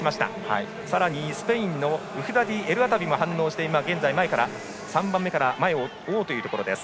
さらにスペインのウフダディエルアタビも反応して、現在３番目から前を追うというところです。